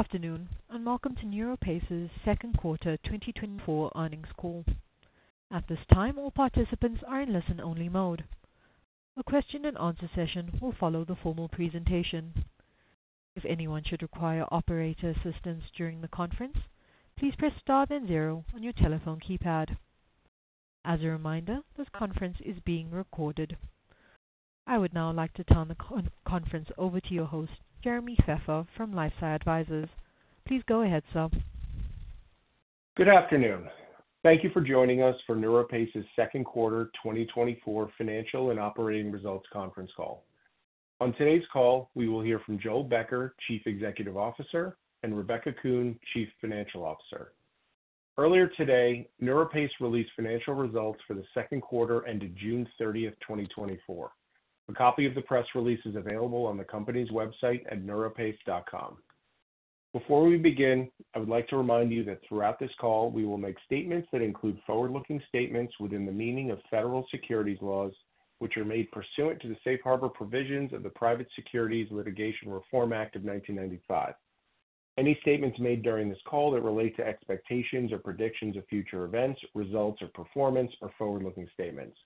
Good afternoon, and welcome to NeuroPace's Second Quarter 2024 Earnings Call. At this time, all participants are in listen-only mode. A question-and-answer session will follow the formal presentation. If anyone should require operator assistance during the conference, please press star then zero on your telephone keypad. As a reminder, this conference is being recorded. I would now like to turn the conference over to your host, Jeremy Feffer, from LifeSci Advisors. Please go ahead, sir. Good afternoon. Thank you for joining us for NeuroPace's Second Quarter 2024 Financial and Operating Results Conference Call. On today's call, we will hear from Joel Becker, Chief Executive Officer, and Rebecca Kuhn, Chief Financial Officer. Earlier today, NeuroPace released financial results for the second quarter ended June 30th, 2024. A copy of the press release is available on the company's website at neuropace.com. Before we begin, I would like to remind you that throughout this call, we will make statements that include forward-looking statements within the meaning of federal securities laws, which are made pursuant to the safe harbor provisions of the Private Securities Litigation Reform Act of 1995. Any statements made during this call that relate to expectations or predictions of future events, results, or performance are forward-looking statements.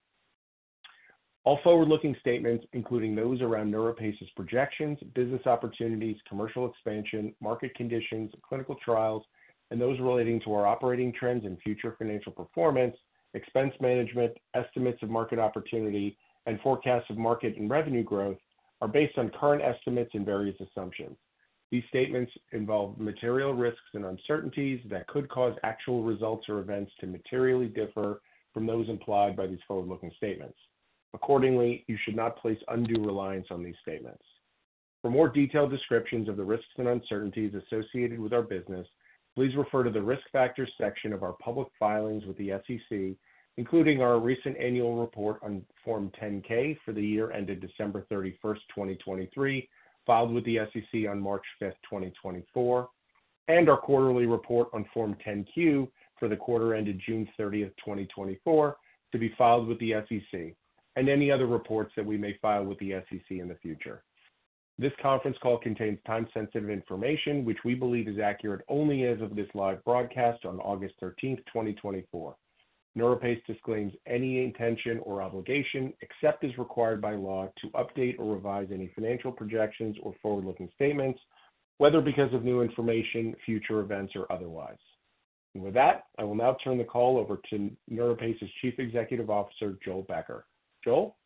All forward-looking statements, including those around NeuroPace's projections, business opportunities, commercial expansion, market conditions, clinical trials, and those relating to our operating trends and future financial performance, expense management, estimates of market opportunity, and forecasts of market and revenue growth, are based on current estimates and various assumptions. These statements involve material risks and uncertainties that could cause actual results or events to materially differ from those implied by these forward-looking statements. Accordingly, you should not place undue reliance on these statements. For more detailed descriptions of the risks and uncertainties associated with our business, please refer to the Risk Factors section of our public filings with the SEC, including our recent annual report on Form 10-K for the year ended December 31st, 2023, filed with the SEC on March 5th, 2024, and our quarterly report on Form 10-Q for the quarter ended June 30th, 2024, to be filed with the SEC, and any other reports that we may file with the SEC in the future. This conference call contains time-sensitive information, which we believe is accurate only as of this live broadcast on August 13th, 2024. NeuroPace disclaims any intention or obligation, except as required by law, to update or revise any financial projections or forward-looking statements, whether because of new information, future events, or otherwise. And with that, I will now turn the call over to NeuroPace's Chief Executive Officer, Joel Becker. Joel?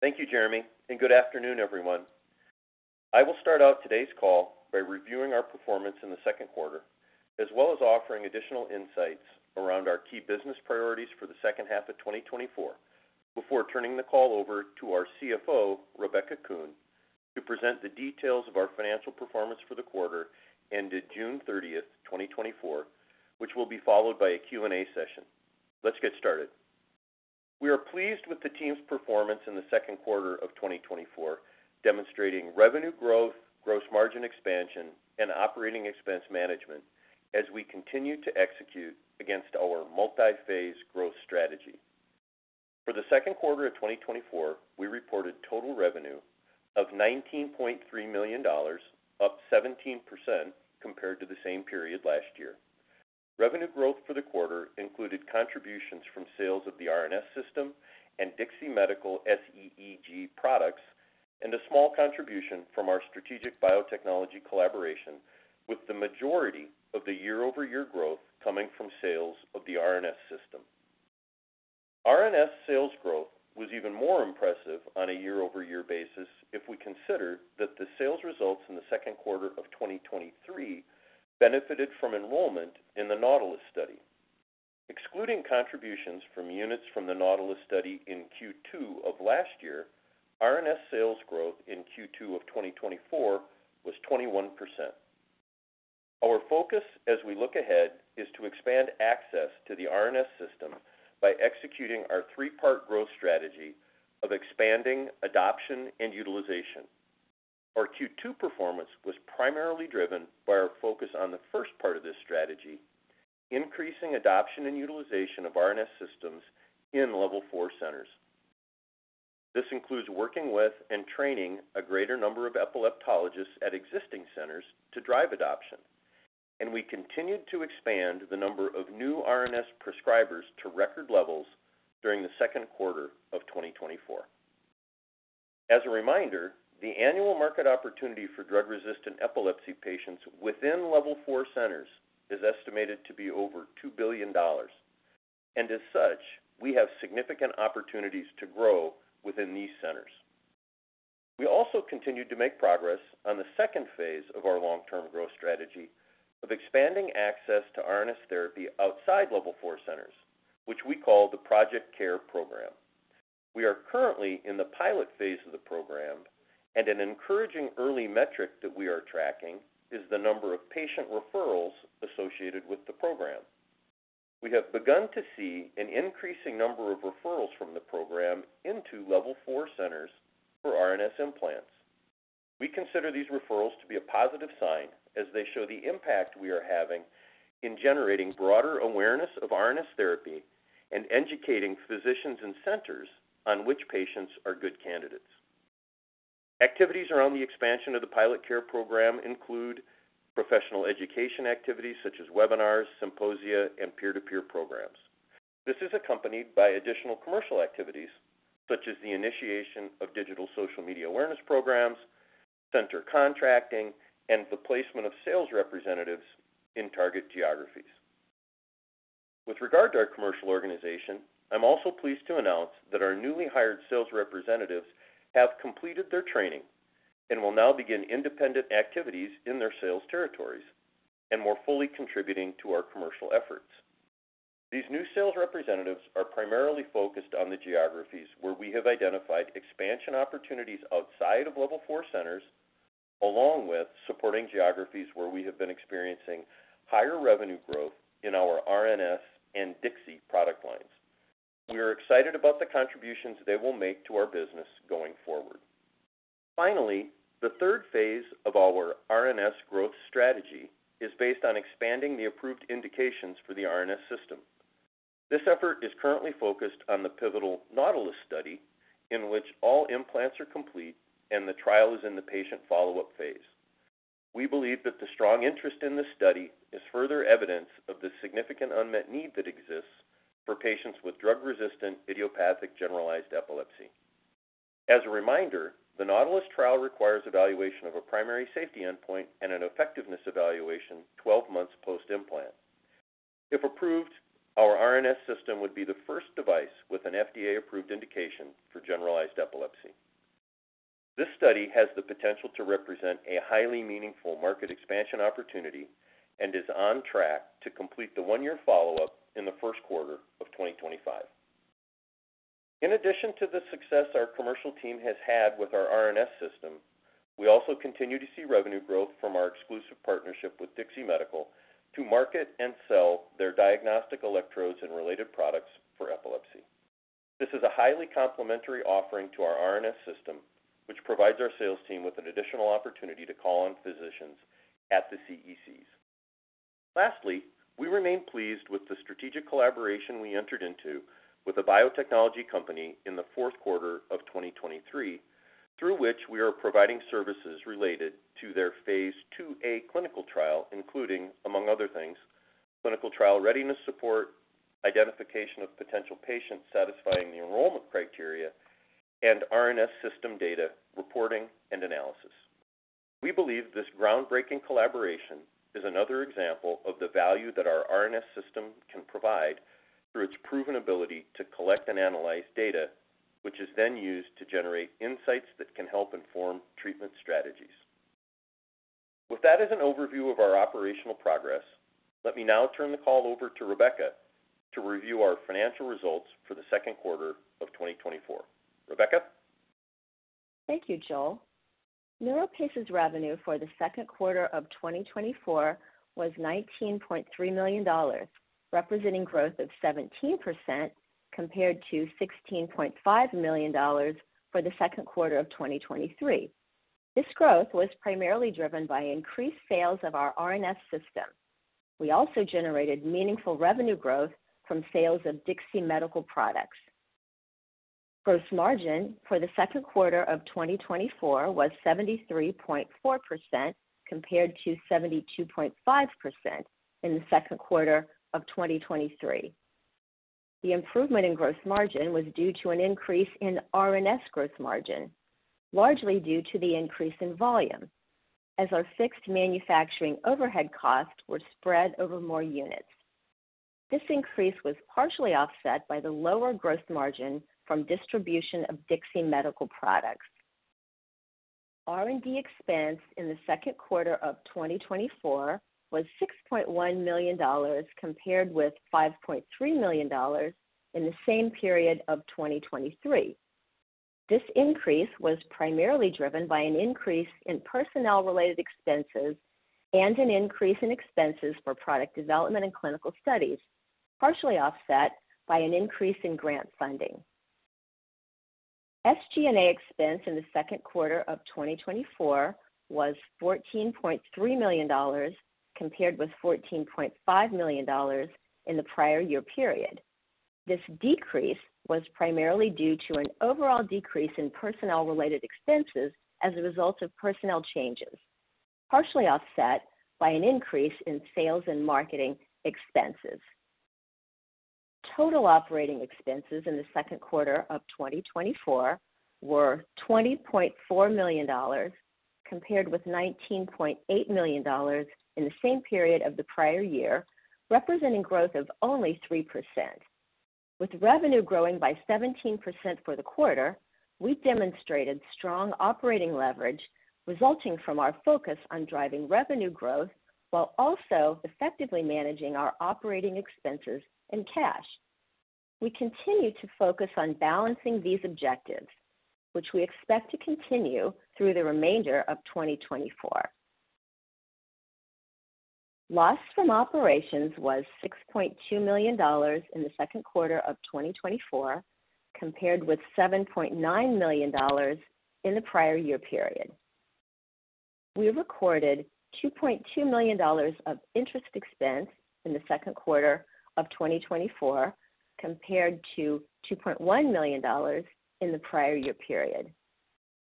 Thank you, Jeremy, and good afternoon, everyone. I will start out today's call by reviewing our performance in the second quarter, as well as offering additional insights around our key business priorities for the second half of 2024, before turning the call over to our CFO, Rebecca Kuhn, to present the details of our financial performance for the quarter ended June 30th, 2024, which will be followed by a Q&A session. Let's get started. We are pleased with the team's performance in the second quarter of 2024, demonstrating revenue growth, gross margin expansion, and operating expense management as we continue to execute against our multi-phase growth strategy. For the second quarter of 2024, we reported total revenue of $19.3 million, up 17% compared to the same period last year. Revenue growth for the quarter included contributions from sales of the RNS System and DIXI Medical SEEG products, and a small contribution from our strategic biotechnology collaboration, with the majority of the year-over-year growth coming from sales of the RNS System. RNS sales growth was even more impressive on a year-over-year basis if we consider that the sales results in the second quarter of 2023 benefited from enrollment in the NAUTILUS study. Excluding contributions from units from the NAUTILUS study in Q2 of last year, RNS sales growth in Q2 of 2024 was 21%. Our focus as we look ahead is to expand access to the RNS System by executing our three-part growth strategy of expanding adoption and utilization. Our Q2 performance was primarily driven by our focus on the first part of this strategy: increasing adoption and utilization of RNS systems in Level 4 centers. This includes working with and training a greater number of epileptologists at existing centers to drive adoption, and we continued to expand the number of new RNS prescribers to record levels during the second quarter of 2024. As a reminder, the annual market opportunity for drug-resistant epilepsy patients within Level 4 centers is estimated to be over $2 billion, and as such, we have significant opportunities to grow within these centers. We also continued to make progress on the second phase of our long-term growth strategy of expanding access to RNS therapy outside Level 4 centers, which we call the Project CARE program. We are currently in the pilot phase of the program, and an encouraging early metric that we are tracking is the number of patient referrals associated with the program. We have begun to see an increasing number of referrals from the program into Level 4 centers for RNS implants. We consider these referrals to be a positive sign, as they show the impact we are having in generating broader awareness of RNS therapy and educating physicians and centers on which patients are good candidates. Activities around the expansion of the pilot CARE program include professional education activities such as webinars, symposia, and peer-to-peer programs. This is accompanied by additional commercial activities such as the initiation of digital social media awareness programs, center contracting, and the placement of sales representatives in target geographies. With regard to our commercial organization, I'm also pleased to announce that our newly hired sales representatives have completed their training and will now begin independent activities in their sales territories and more fully contributing to our commercial efforts. These new sales representatives are primarily focused on the geographies where we have identified expansion opportunities outside of Level 4 centers, along with supporting geographies where we have been experiencing higher revenue growth in our RNS and DIXI product lines. We are excited about the contributions they will make to our business going forward. Finally, the third phase of our RNS growth strategy is based on expanding the approved indications for the RNS System. This effort is currently focused on the pivotal NAUTILUS study, in which all implants are complete and the trial is in the patient follow-up phase. We believe that the strong interest in this study is further evidence of the significant unmet need that exists for patients with drug-resistant idiopathic generalized epilepsy. As a reminder, the NAUTILUS trial requires evaluation of a primary safety endpoint and an effectiveness evaluation 12 months post-implant. If approved, our RNS System would be the first device with an FDA-approved indication for generalized epilepsy. This study has the potential to represent a highly meaningful market expansion opportunity and is on track to complete the one-year follow-up in the first quarter of 2025. In addition to the success our commercial team has had with our RNS System, we also continue to see revenue growth from our exclusive partnership with DIXI Medical to market and sell their diagnostic electrodes and related products for epilepsy. This is a highly complementary offering to our RNS System, which provides our sales team with an additional opportunity to call on physicians at the CECs. Lastly, we remain pleased with the strategic collaboration we entered into with a biotechnology company in the fourth quarter of 2023, through which we are providing services related to their phase II-A clinical trial, including, among other things, clinical trial readiness support, identification of potential patients satisfying the enrollment criteria, and RNS System data reporting and analysis. We believe this groundbreaking collaboration is another example of the value that our RNS System can provide through its proven ability to collect and analyze data, which is then used to generate insights that can help inform treatment strategies. With that as an overview of our operational progress, let me now turn the call over to Rebecca to review our financial results for the second quarter of 2024. Rebecca? Thank you, Joel. NeuroPace's revenue for the second quarter of 2024 was $19.3 million, representing growth of 17% compared to $16.5 million for the second quarter of 2023. This growth was primarily driven by increased sales of our RNS System. We also generated meaningful revenue growth from sales of DIXI Medical products. Gross margin for the second quarter of 2024 was 73.4%, compared to 72.5% in the second quarter of 2023. The improvement in gross margin was due to an increase in RNS gross margin, largely due to the increase in volume, as our fixed manufacturing overhead costs were spread over more units. This increase was partially offset by the lower gross margin from distribution of DIXI Medical products. R&D expense in the second quarter of 2024 was $6.1 million, compared with $5.3 million in the same period of 2023. This increase was primarily driven by an increase in personnel-related expenses and an increase in expenses for product development and clinical studies, partially offset by an increase in grant funding. SG&A expense in the second quarter of 2024 was $14.3 million, compared with $14.5 million in the prior-year period. This decrease was primarily due to an overall decrease in personnel-related expenses as a result of personnel changes, partially offset by an increase in sales and marketing expenses. Total operating expenses in the second quarter of 2024 were $20.4 million, compared with $19.8 million in the same period of the prior year, representing growth of only 3%. With revenue growing by 17% for the quarter, we demonstrated strong operating leverage, resulting from our focus on driving revenue growth while also effectively managing our operating expenses and cash. We continue to focus on balancing these objectives, which we expect to continue through the remainder of 2024. Loss from operations was $6.2 million in the second quarter of 2024, compared with $7.9 million in the prior-year period. We recorded $2.2 million of interest expense in the second quarter of 2024, compared to $2.1 million in the prior-year period.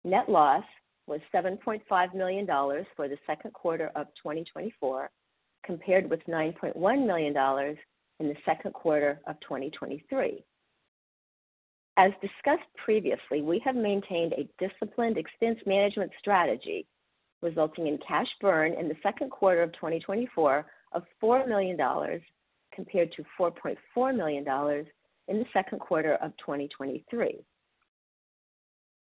Net loss was $7.5 million for the second quarter of 2024, compared with $9.1 million in the second quarter of 2023. As discussed previously, we have maintained a disciplined expense management strategy, resulting in cash burn in the second quarter of 2024 of $4 million, compared to $4.4 million in the second quarter of 2023.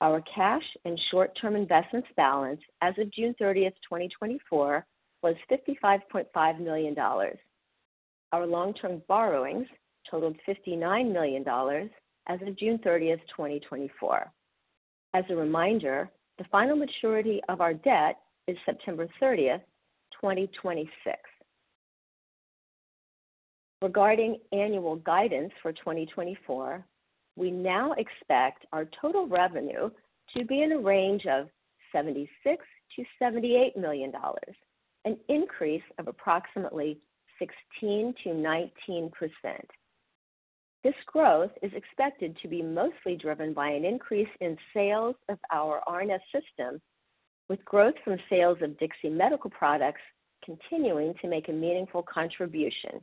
Our cash and short-term investments balance as of June 30th, 2024, was $55.5 million. Our long-term borrowings totaled $59 million as of June 30th, 2024. As a reminder, the final maturity of our debt is September 30th, 2026. Regarding annual guidance for 2024, we now expect our total revenue to be in a range of $76 million-$78 million, an increase of approximately 16%-19%. This growth is expected to be mostly driven by an increase in sales of our RNS System, with growth from sales of DIXI Medical products continuing to make a meaningful contribution.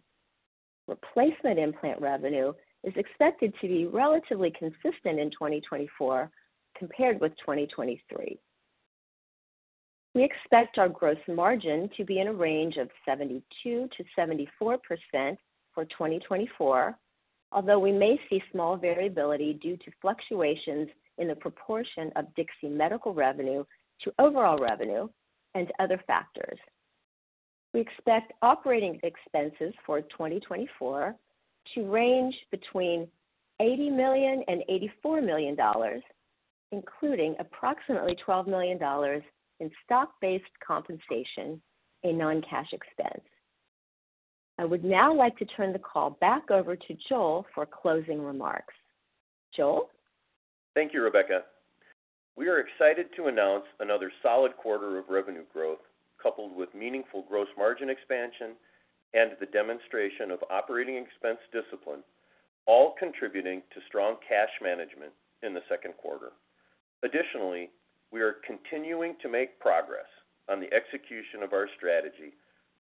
Replacement implant revenue is expected to be relatively consistent in 2024 compared with 2023. We expect our gross margin to be in a range of 72%-74% for 2024, although we may see small variability due to fluctuations in the proportion of DIXI Medical revenue to overall revenue and other factors. We expect operating expenses for 2024 to range between $80 million and $84 million, including approximately $12 million in stock-based compensation, a non-cash expense. I would now like to turn the call back over to Joel for closing remarks. Joel? Thank you, Rebecca. We are excited to announce another solid quarter of revenue growth, coupled with meaningful gross margin expansion and the demonstration of operating expense discipline, all contributing to strong cash management in the second quarter. Additionally, we are continuing to make progress on the execution of our strategy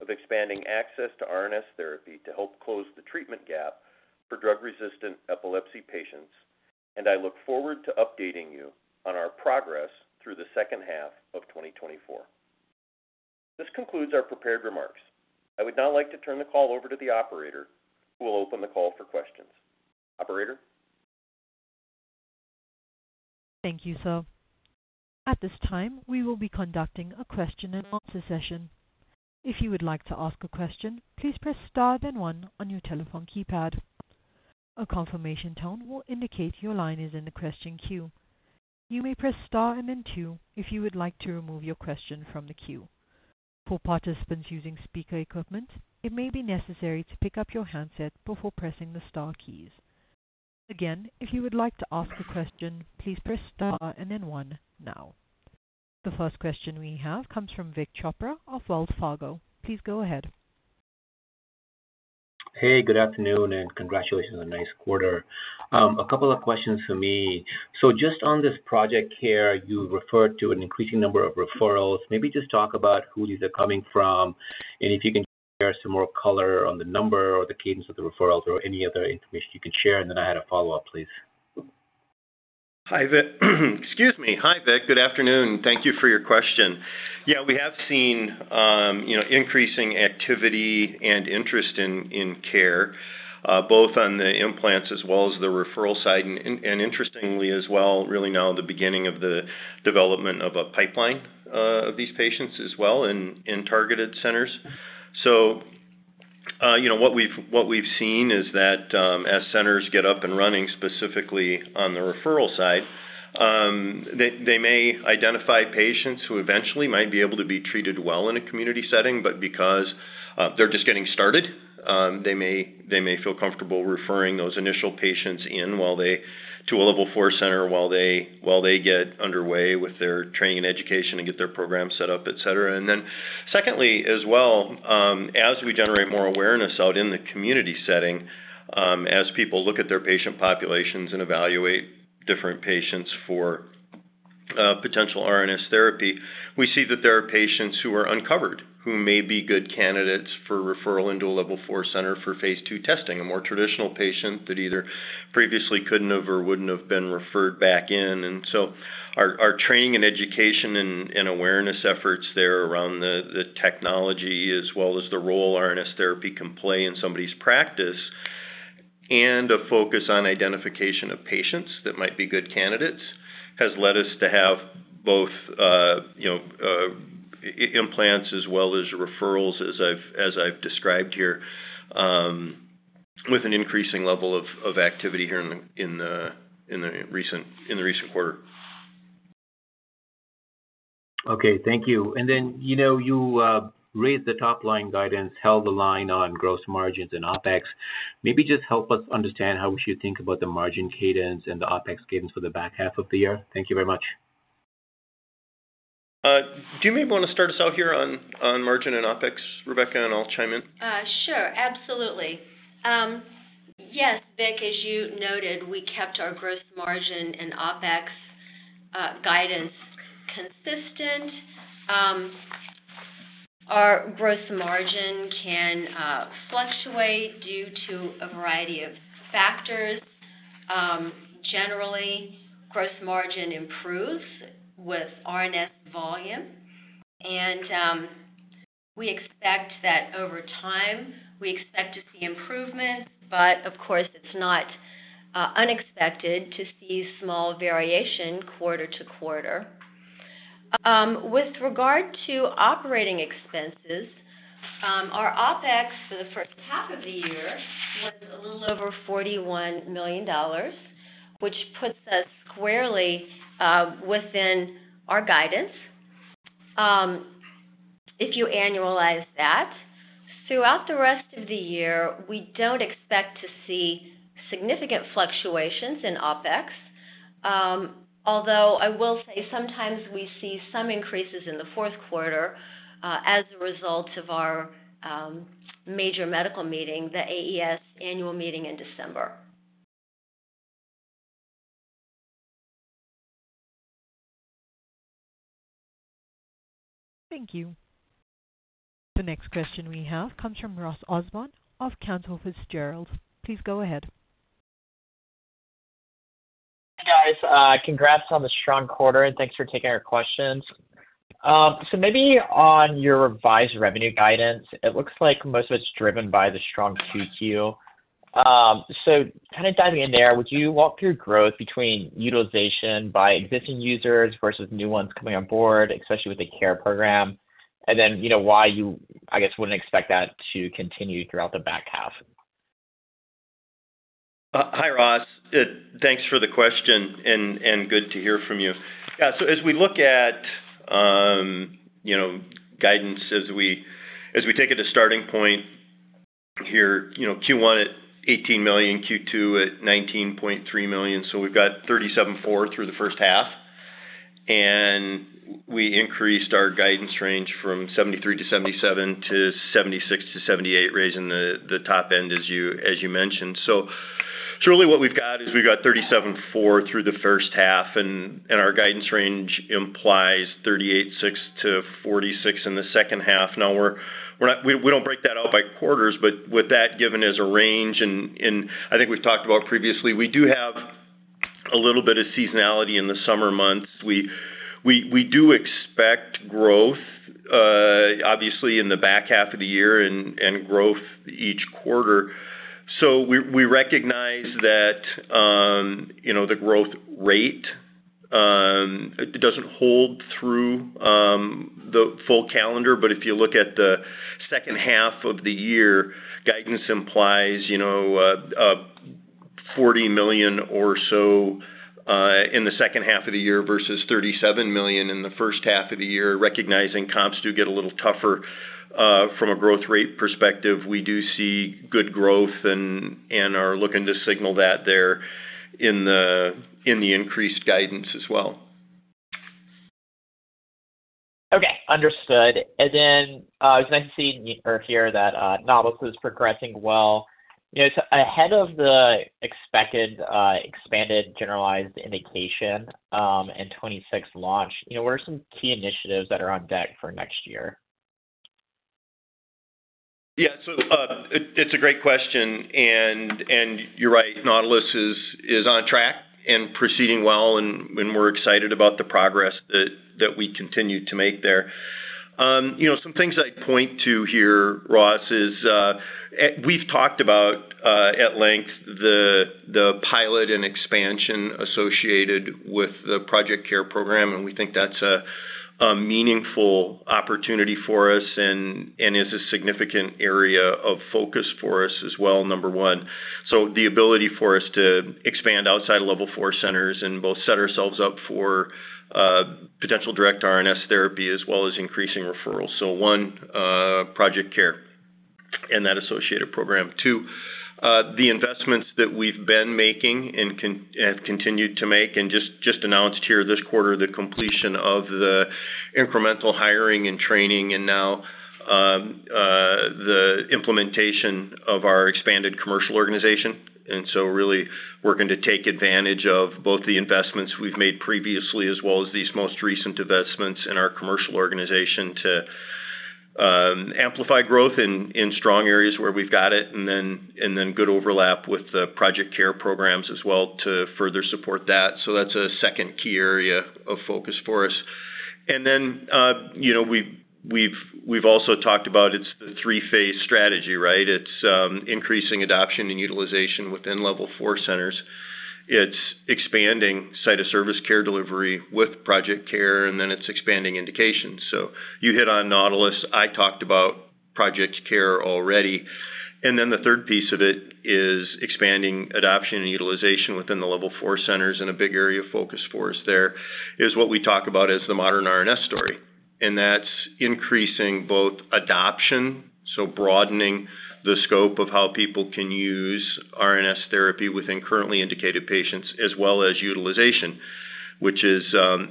of expanding access to RNS therapy to help close the treatment gap for drug-resistant epilepsy patients, and I look forward to updating you on our progress through the second half of 2024. This concludes our prepared remarks. I would now like to turn the call over to the operator, who will open the call for questions. Operator? Thank you, sir. At this time, we will be conducting a question-and-answer session. If you would like to ask a question, please press star, then one on your telephone keypad. A confirmation tone will indicate your line is in the question queue. You may press star and then two if you would like to remove your question from the queue. For participants using speaker equipment, it may be necessary to pick up your handset before pressing the star keys. Again, if you would like to ask a question, please press star and then one now. The first question we have comes from Vik Chopra of Wells Fargo. Please go ahead. Hey, good afternoon, and congratulations on a nice quarter. A couple of questions for me. So just on this Project CARE, you referred to an increasing number of referrals. Maybe just talk about who these are coming from, and if you can share some more color on the number or the cadence of the referrals or any other information you can share. And then I had a follow-up, please. Hi, Vik. Excuse me. Hi, Vik. Good afternoon. Thank you for your question. Yeah, we have seen, you know, increasing activity and interest in CARE, both on the implants as well as the referral side, and interestingly as well, really now the beginning of the development of a pipeline of these patients as well in targeted centers. So, you know, what we've seen is that, as centers get up and running, specifically on the referral side, they may identify patients who eventually might be able to be treated well in a community setting, but because they're just getting started, they may feel comfortable referring those initial patients in to a Level 4 center, while they get underway with their training and education and get their program set up, et cetera. And then secondly, as well, as we generate more awareness out in the community setting, as people look at their patient populations and evaluate different patients for potential RNS therapy, we see that there are patients who are uncovered, who may be good candidates for referral into a Level 4 center for phase II testing. A more traditional patient that either previously couldn't have or wouldn't have been referred back in. And so our training and education and awareness efforts there around the technology, as well as the role RNS therapy can play in somebody's practice, and a focus on identification of patients that might be good candidates, has led us to have both, you know, implants as well as referrals, as I've described here, with an increasing level of activity here in the recent quarter. Okay, thank you. And then, you know, you raised the top line guidance, held the line on gross margins and OpEx. Maybe just help us understand how we should think about the margin cadence and the OpEx cadence for the back half of the year. Thank you very much. Do you maybe want to start us out here on, on margin and OpEx, Rebecca, and I'll chime in? Sure. Absolutely. Yes, Vik, as you noted, we kept our gross margin and OpEx guidance consistent. Our gross margin can fluctuate due to a variety of factors. Generally, gross margin improves with RNS volume, and we expect that over time, we expect to see improvement. But of course, it's not unexpected to see small variation quarter to quarter. With regard to operating expenses, our OpEx for the first half of the year was a little over $41 million, which puts us squarely within our guidance. If you annualize that, throughout the rest of the year, we don't expect to see significant fluctuations in OpEx. Although I will say sometimes we see some increases in the fourth quarter, as a result of our major medical meeting, the AES Annual Meeting in December. Thank you. The next question we have comes from Ross Osborn of Cantor Fitzgerald. Please go ahead. Hey, guys, congrats on the strong quarter, and thanks for taking our questions. So maybe on your revised revenue guidance, it looks like most of it's driven by the strong Q2. So kind of diving in there, would you walk through growth between utilization by existing users versus new ones coming on board, especially with the CARE program? And then, you know, why you, I guess, wouldn't expect that to continue throughout the back half? Hi, Ross. Thanks for the question and good to hear from you. Yeah, so as we look at, you know, guidance, as we take it, a starting point here, you know, Q1 at $18 million, Q2 at $19.3 million, so we've got $37.4 million through the first half, and we increased our guidance range from $73 million-$77 million to $76 million-$78 million, raising the top end, as you mentioned. So really what we've got is we've got $37.4 million through the first half, and our guidance range implies $38.6 million-$46 million in the second half. Now we're not we don't break that out by quarters, but with that given as a range, and I think we've talked about previously, we do have a little bit of seasonality in the summer months. We do expect growth obviously in the back half of the year and growth each quarter. So we recognize that, you know, the growth rate it doesn't hold through the full calendar. But if you look at the second half of the year, guidance implies, you know, $40 million or so in the second half of the year versus $37 million in the first half of the year. Recognizing comps do get a little tougher from a growth rate perspective. We do see good growth and are looking to signal that there in the increased guidance as well. Okay, understood. And then, it's nice to see or hear that, NAUTILUS is progressing well. You know, so ahead of the expected, expanded, generalized indication, and 2026 launch, you know, what are some key initiatives that are on deck for next year? Yeah. So, it's a great question, and you're right, NAUTILUS is on track and proceeding well, and we're excited about the progress that we continue to make there. You know, some things I'd point to here, Ross, is we've talked about at length the pilot and expansion associated with the Project CARE program, and we think that's a meaningful opportunity for us and is a significant area of focus for us as well, number one. So the ability for us to expand outside of Level 4 centers and both set ourselves up for potential direct RNS therapy, as well as increasing referrals. So one, Project CARE and that associated program. Two, the investments that we've been making and continued to make and just announced here this quarter, the completion of the incremental hiring and training and now, the implementation of our expanded commercial organization. And so really working to take advantage of both the investments we've made previously, as well as these most recent investments in our commercial organization to amplify growth in strong areas where we've got it, and then good overlap with the Project CARE programs as well to further support that. So that's a second key area of focus for us. And then, you know, we've also talked about it's the three-phase strategy, right? It's increasing adoption and utilization within Level 4 centers. It's expanding site of service care delivery with Project CARE, and then it's expanding indications. So you hit on NAUTILUS. I talked about Project CARE already. Then the third piece of it is expanding adoption and utilization within the Level 4 centers and a big area of focus for us there is what we talk about as the modern RNS story, and that's increasing both adoption, so broadening the scope of how people can use RNS therapy within currently indicated patients, as well as utilization, which is,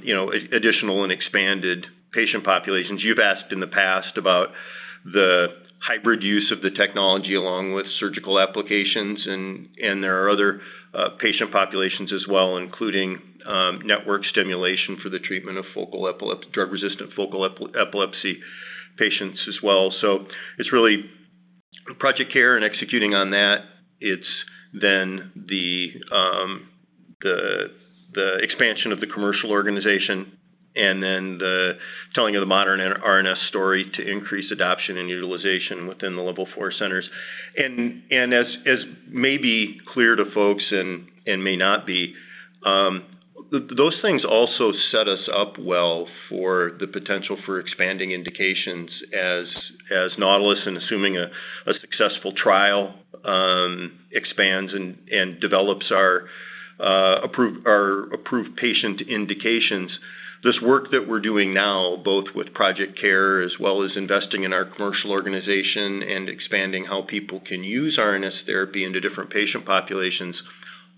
you know, additional and expanded patient populations. You've asked in the past about the hybrid use of the technology along with surgical applications, and there are other patient populations as well, including network stimulation for the treatment of drug-resistant focal epilepsy patients as well. So it's really Project CARE and executing on that. It's then the expansion of the commercial organization, and then the telling of the modern RNS story to increase adoption and utilization within the Level 4 centers. And as may be clear to folks and may not be, those things also set us up well for the potential for expanding indications as NAUTILUS and assuming a successful trial, expands and develops our approved patient indications. This work that we're doing now, both with Project CARE as well as investing in our commercial organization and expanding how people can use RNS therapy into different patient populations,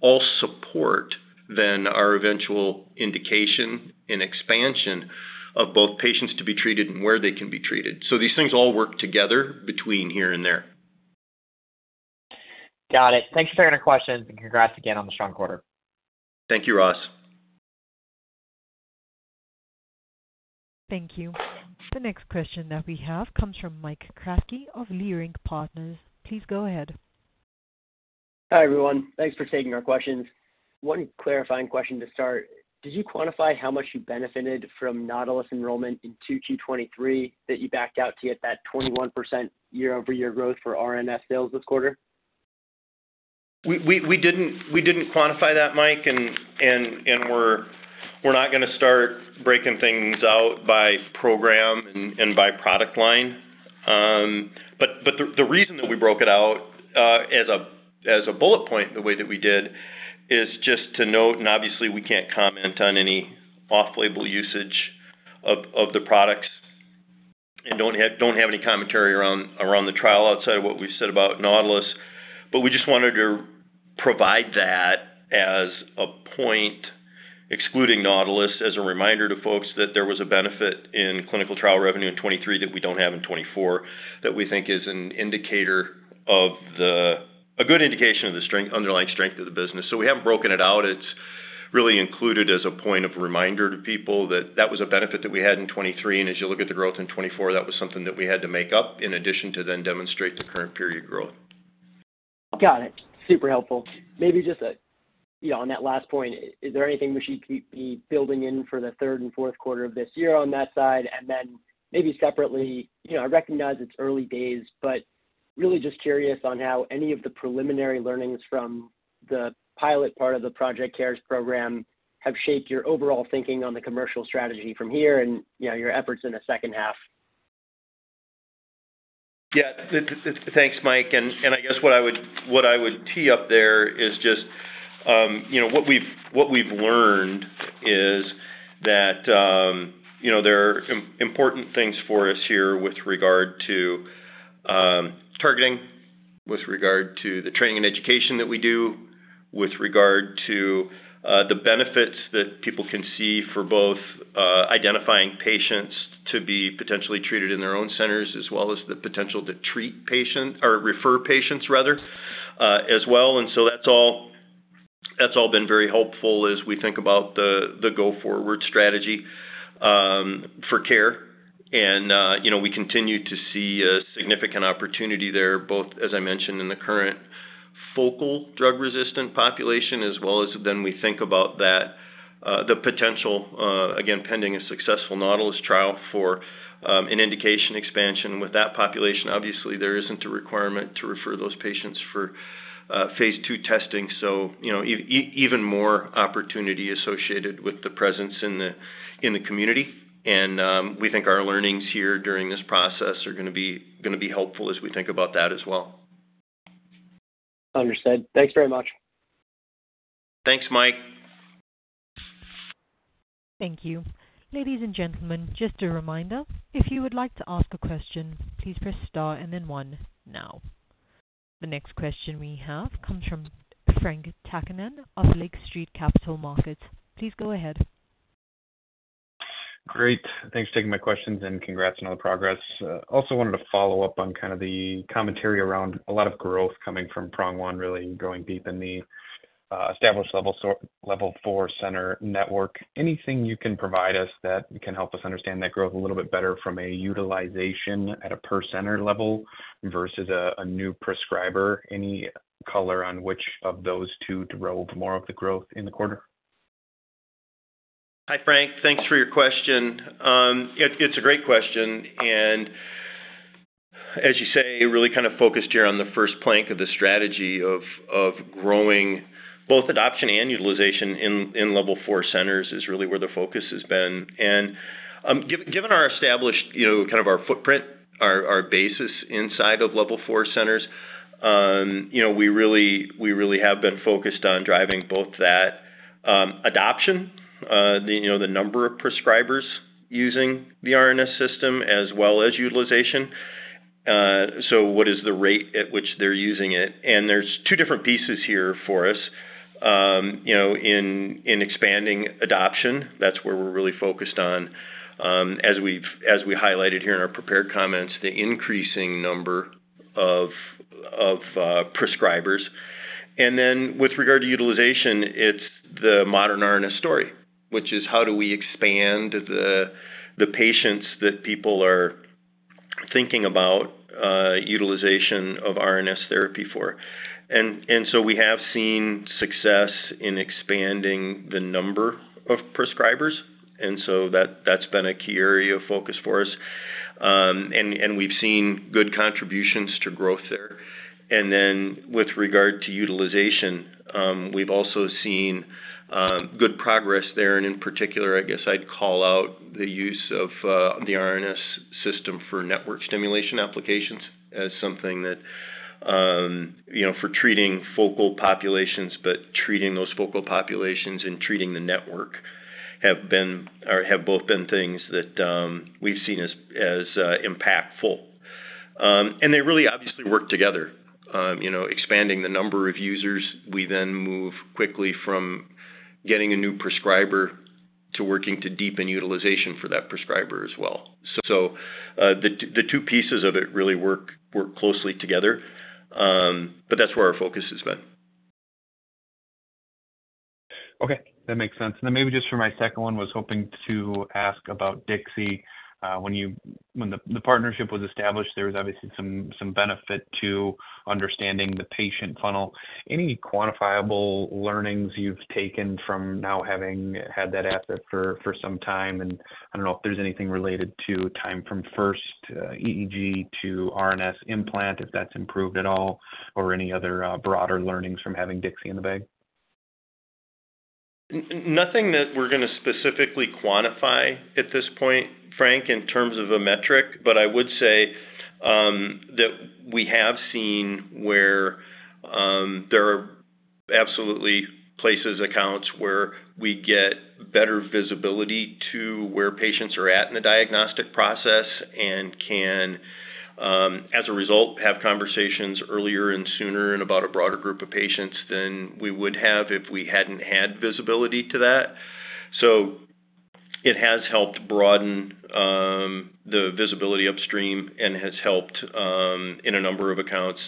all support then our eventual indication and expansion of both patients to be treated and where they can be treated. So these things all work together between here and there. Got it. Thanks for taking our questions, and congrats again on the strong quarter. Thank you, Ross. Thank you. The next question that we have comes from Mike Kratky of Leerink Partners. Please go ahead. Hi, everyone. Thanks for taking our questions. One clarifying question to start, did you quantify how much you benefited from NAUTILUS enrollment in 2Q 2023, that you backed out to get that 21% year-over-year growth for RNS sales this quarter? We didn't quantify that, Mike, and we're not gonna start breaking things out by program and by product line. But the reason that we broke it out as a bullet point, the way that we did, is just to note, and obviously we can't comment on any off-label usage of the products, and don't have any commentary around the trial outside of what we've said about NAUTILUS. But we just wanted to provide that as a point, excluding NAUTILUS, as a reminder to folks that there was a benefit in clinical trial revenue in 2023 that we don't have in 2024, that we think is an indicator of the, a good indication of the underlying strength of the business. So we haven't broken it out. It's really included as a point of reminder to people that that was a benefit that we had in 2023, and as you look at the growth in 2024, that was something that we had to make up in addition to then demonstrate the current period growth. Got it. Super helpful. Maybe just a, you know, on that last point, is there anything we should be building in for the third and fourth quarter of this year on that side? And then maybe separately, you know, I recognize it's early days, but really just curious on how any of the preliminary learnings from the pilot part of the Project CARE program have shaped your overall thinking on the commercial strategy from here and, you know, your efforts in the second half. Yeah, thanks, Mike. And I guess what I would tee up there is just, you know, what we've learned is that, you know, there are important things for us here with regard to targeting, with regard to the training and education that we do, with regard to the benefits that people can see for both identifying patients to be potentially treated in their own centers, as well as the potential to treat patient or refer patients rather, as well. And so that's all been very helpful as we think about the go-forward strategy for CARE. And, you know, we continue to see a significant opportunity there, both, as I mentioned, in the current focal drug-resistant population, as well as when we think about that, the potential, again, pending a successful NAUTILUS trial for, an indication expansion. With that population, obviously, there isn't a requirement to refer those patients for, phase II testing. So, you know, even more opportunity associated with the presence in the, in the community. And, we think our learnings here during this process are gonna be helpful as we think about that as well. Understood. Thanks very much. Thanks, Mike. Thank you. Ladies and gentlemen, just a reminder, if you would like to ask a question, please press star and then one now. The next question we have comes from Frank Takkinen of Lake Street Capital Markets. Please go ahead. Great. Thanks for taking my questions, and congrats on all the progress. Also wanted to follow up on kind of the commentary around a lot of growth coming from prong one, really going deep in the established Level 4 center network. Anything you can provide us that can help us understand that growth a little bit better from a utilization at a per center level versus a new prescriber? Any color on which of those two drove more of the growth in the quarter? Hi, Frank. Thanks for your question. It's a great question, and as you say, really kind of focused here on the first plank of the strategy of growing both adoption and utilization in Level 4 centers is really where the focus has been. Given our established, you know, kind of our footprint, our basis inside of Level 4 centers, you know, we really have been focused on driving both that adoption, the number of prescribers using the RNS System as well as utilization. So what is the rate at which they're using it? And there's two different pieces here for us. You know, in expanding adoption, that's where we're really focused on, as we highlighted here in our prepared comments, the increasing number of prescribers. And then with regard to utilization, it's the modern RNS story, which is how do we expand the patients that people are thinking about utilization of RNS therapy for? And so we have seen success in expanding the number of prescribers, and so that's been a key area of focus for us. And we've seen good contributions to growth there. And then with regard to utilization, we've also seen good progress there. And in particular, I guess I'd call out the use of the RNS System for network stimulation applications as something that, you know, for treating focal populations, but treating those focal populations and treating the network have been, or have both been things that we've seen as impactful. And they really obviously work together. You know, expanding the number of users, we then move quickly from getting a new prescriber to working to deepen utilization for that prescriber as well. So, the two pieces of it really work closely together, but that's where our focus has been. Okay, that makes sense. And then maybe just for my second one, was hoping to ask about DIXI. When the partnership was established, there was obviously some benefit to understanding the patient funnel. Any quantifiable learnings you've taken from now having had that asset for some time? And I don't know if there's anything related to time from first EEG to RNS implant, if that's improved at all, or any other broader learnings from having DIXI in the bag. Nothing that we're gonna specifically quantify at this point, Frank, in terms of a metric, but I would say that we have seen where there are absolutely places, accounts, where we get better visibility to where patients are at in the diagnostic process, and can, as a result, have conversations earlier and sooner and about a broader group of patients than we would have if we hadn't had visibility to that. So it has helped broaden the visibility upstream and has helped, in a number of accounts,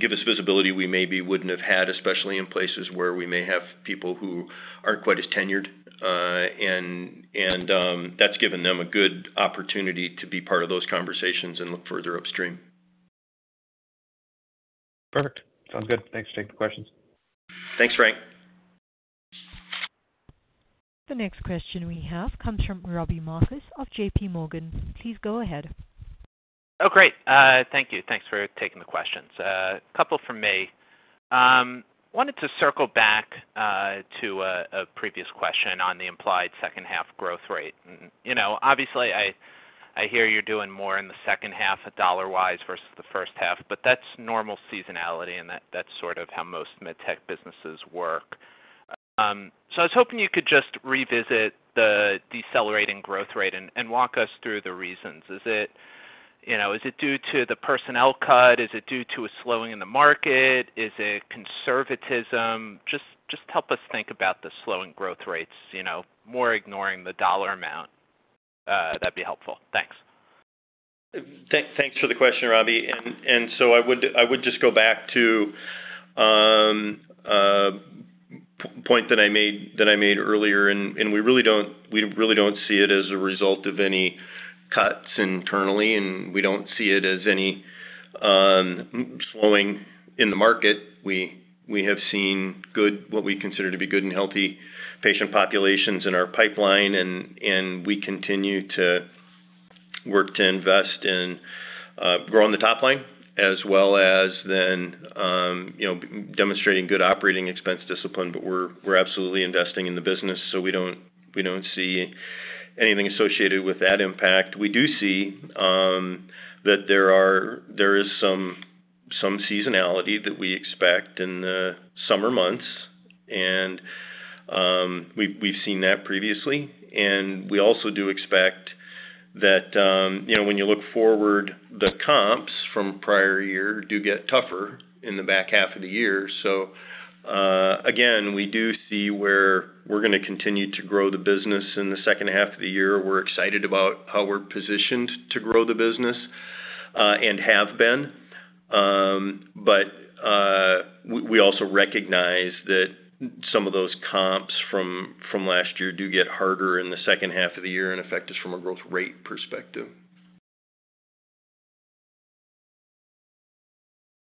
give us visibility we maybe wouldn't have had, especially in places where we may have people who aren't quite as tenured. And that's given them a good opportunity to be part of those conversations and look further upstream. Perfect. Sounds good. Thanks for taking the questions. Thanks, Frank. The next question we have comes from Robbie Marcus of JPMorgan. Please go ahead. Oh, great. Thank you. Thanks for taking the questions. A couple from me. Wanted to circle back to a previous question on the implied second half growth rate. You know, obviously, I hear you're doing more in the second half dollar-wise versus the first half, but that's normal seasonality, and that's sort of how most MedTech businesses work. So I was hoping you could just revisit the decelerating growth rate and walk us through the reasons. Is it, you know, due to the personnel cut? Is it due to a slowing in the market? Is it conservatism? Just help us think about the slowing growth rates, you know, more ignoring the dollar amount. That'd be helpful. Thanks. Thanks for the question, Robbie. And so I would just go back to the point that I made earlier, and we really don't see it as a result of any cuts internally, and we don't see it as any slowing in the market. We have seen good, what we consider to be good and healthy patient populations in our pipeline, and we continue to work to invest in growing the top line, as well as then, you know, demonstrating good operating expense discipline. But we're absolutely investing in the business, so we don't see anything associated with that impact. We do see that there is some seasonality that we expect in the summer months, and we've seen that previously. And we also do expect that, you know, when you look forward, the comps from prior year do get tougher in the back half of the year. So, again, we do see where we're gonna continue to grow the business in the second half of the year. We're excited about how we're positioned to grow the business, and have been. But, we also recognize that some of those comps from last year do get harder in the second half of the year and affect us from a growth rate perspective.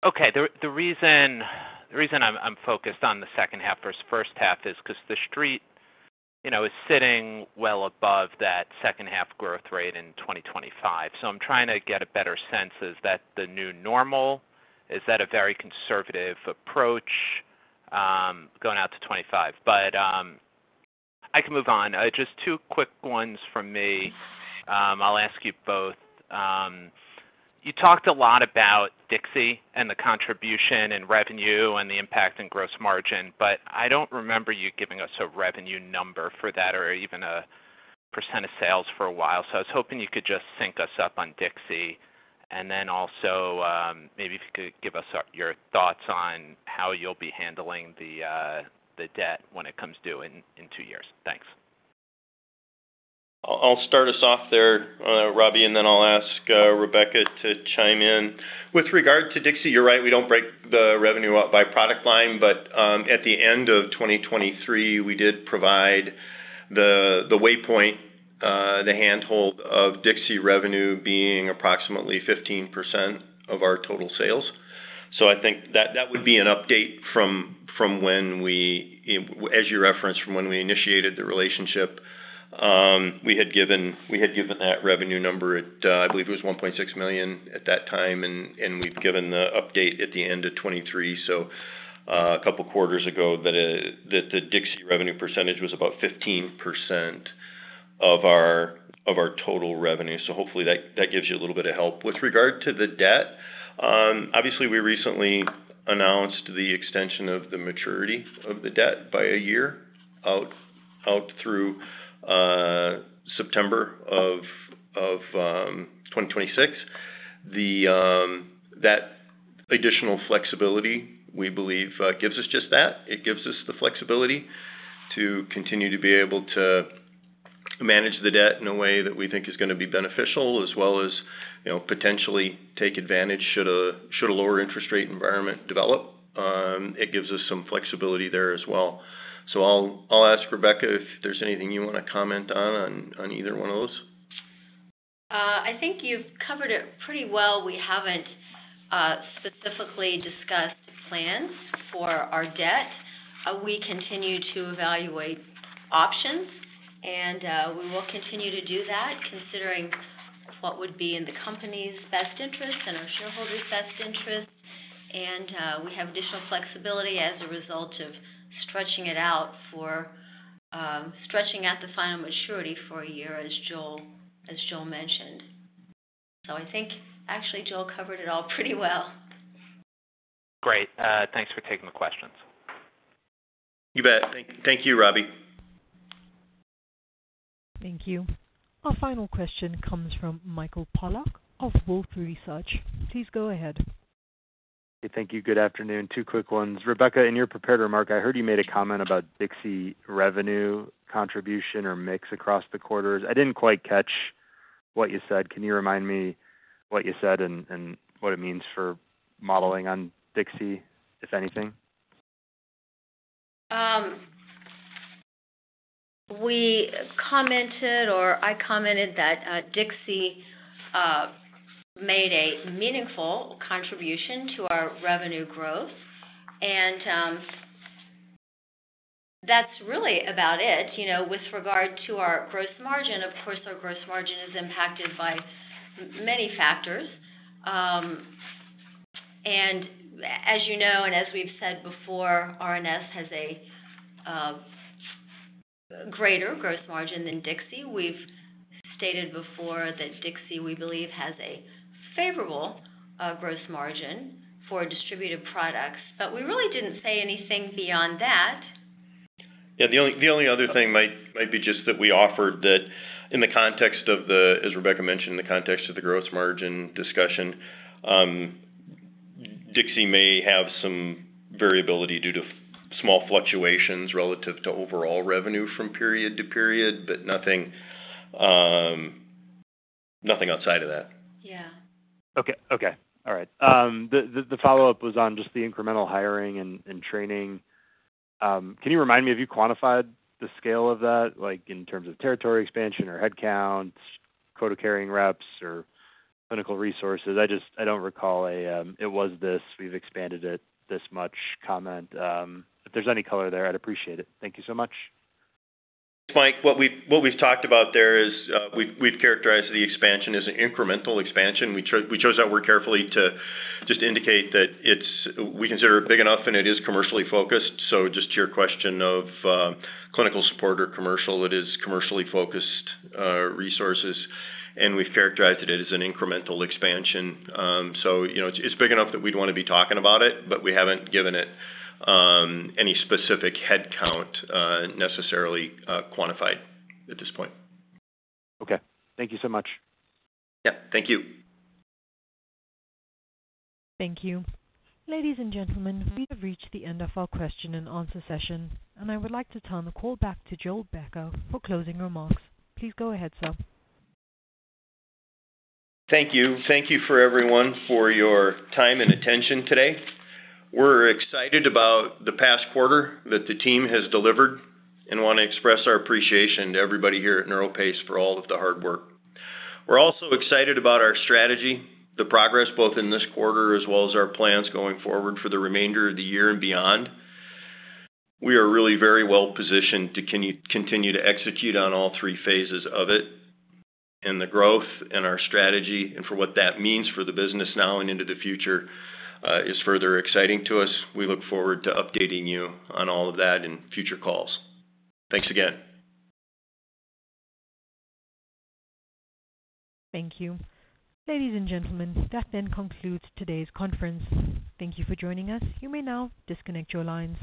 Okay. The reason I'm focused on the second half versus first half is because the street, you know, is sitting well above that second half growth rate in 2025. So I'm trying to get a better sense, is that the new normal? Is that a very conservative approach going out to 2025? But I can move on. Just two quick ones from me. I'll ask you both. You talked a lot about DIXI and the contribution and revenue and the impact in gross margin, but I don't remember you giving us a revenue number for that or even a % of sales for a while. So I was hoping you could just sync us up on DIXI, and then also, maybe if you could give us your thoughts on how you'll be handling the debt when it comes due in two years. Thanks. I'll start us off there, Robbie, and then I'll ask Rebecca to chime in. With regard to DIXI, you're right, we don't break the revenue up by product line, but at the end of 2023, we did provide the waypoint, the handhold of DIXI revenue being approximately 15% of our total sales. So I think that would be an update from when we, as you referenced, from when we initiated the relationship. We had given that revenue number at, I believe it was $1.6 million at that time, and we've given the update at the end of 2023. So, a couple quarters ago, that the DIXI revenue percentage was about 15% of our total revenue. So hopefully that gives you a little bit of help. With regard to the debt, obviously, we recently announced the extension of the maturity of the debt by a year out through September of 2026. That additional flexibility, we believe, gives us just that. It gives us the flexibility to continue to be able to manage the debt in a way that we think is gonna be beneficial, as well as, you know, potentially take advantage should a lower interest rate environment develop. It gives us some flexibility there as well. So I'll ask Rebecca if there's anything you want to comment on either one of those. I think you've covered it pretty well. We haven't specifically discussed plans for our debt. We continue to evaluate options, and we will continue to do that, considering what would be in the company's best interest and our shareholders' best interest. And, we have additional flexibility as a result of stretching it out for, stretching out the final maturity for a year as Joel mentioned. So I think actually, Joel covered it all pretty well. Great. Thanks for taking the questions. You bet. Thank you, Robbie. Thank you. Our final question comes from Michael Polark of Wolfe Research. Please go ahead. Thank you. Good afternoon. Two quick ones. Rebecca, in your prepared remark, I heard you made a comment about DIXI revenue contribution or mix across the quarters. I didn't quite catch what you said. Can you remind me what you said and, and what it means for modeling on DIXI, if anything? We commented, or I commented, that, DIXI, made a meaningful contribution to our revenue growth, and, that's really about it. You know, with regard to our gross margin, of course, our gross margin is impacted by many factors. And as you know, and as we've said before, RNS has a, greater gross margin than DIXI. We've stated before that DIXI, we believe, has a favorable, gross margin for distributed products, but we really didn't say anything beyond that. Yeah, the only other thing might be just that we offered that in the context of, as Rebecca mentioned, in the context of the gross margin discussion, DIXI may have some variability due to small fluctuations relative to overall revenue from period to period, but nothing outside of that. Yeah. Okay, all right. The follow-up was on just the incremental hiring and training. Can you remind me, have you quantified the scale of that, like, in terms of territory expansion or headcounts, quota-carrying reps or clinical resources? I just, I don't recall it was this, we've expanded it this much comment. If there's any color there, I'd appreciate it. Thank you so much. Mike, what we've talked about there is, we've characterized the expansion as an incremental expansion. We chose that word carefully to just indicate that it's we consider it big enough, and it is commercially focused. So just to your question of clinical support or commercial, it is commercially focused resources, and we've characterized it as an incremental expansion. So you know, it's big enough that we'd want to be talking about it, but we haven't given it any specific headcount necessarily quantified at this point. Okay. Thank you so much. Yeah, thank you. Thank you. Ladies and gentlemen, we have reached the end of our question-and-answer session, and I would like to turn the call back to Joel Becker for closing remarks. Please go ahead, sir. Thank you. Thank you for everyone, for your time and attention today. We're excited about the past quarter that the team has delivered and want to express our appreciation to everybody here at NeuroPace for all of the hard work. We're also excited about our strategy, the progress both in this quarter as well as our plans going forward for the remainder of the year and beyond. We are really very well positioned to continue to execute on all three phases of it, and the growth and our strategy, and for what that means for the business now and into the future, is further exciting to us. We look forward to updating you on all of that in future calls. Thanks again. Thank you. Ladies and gentlemen, that then concludes today's conference. Thank you for joining us. You may now disconnect your lines.